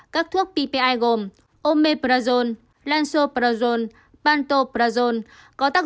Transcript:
các thuốc ppi gồm omeprazone lansoprazone pantoprazone